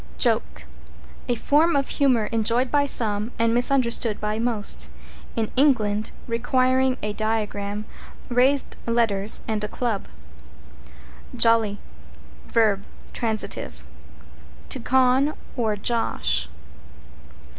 =JOKE= A form of humor enjoyed by some and misunderstood by most; in England, requiring a diagram, raised letters and a club. =JOLLY= v. t., To "con" or "josh."